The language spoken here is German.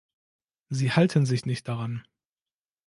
Sie halten sich nicht daran.